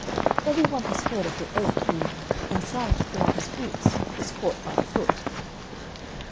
Every one has heard of the ape who, in trying to pull on his boots, was caught by the foot.